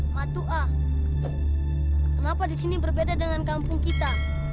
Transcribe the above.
matuah kenapa di sini berbeda dengan kampung kita